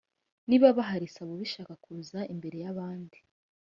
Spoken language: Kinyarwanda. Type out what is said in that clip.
niba bahari saba ubishaka kuza imbere y ‘abandi